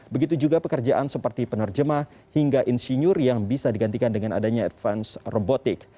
begitu juga pekerjaan seperti penerjemah hingga insinyur yang bisa digantikan dengan adanya advance robotik